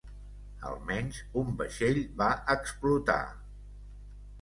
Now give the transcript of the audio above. Almenys un vaixell va explotar.